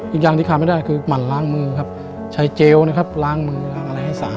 อีกอย่างที่คาไม่ได้คือหมั่นล้างมือครับใช้เจลล้างมืออะไรให้สะอาด